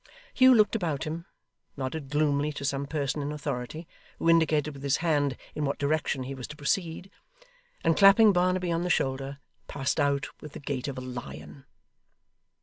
Hugh looked about him, nodded gloomily to some person in authority, who indicated with his hand in what direction he was to proceed; and clapping Barnaby on the shoulder, passed out with the gait of a lion.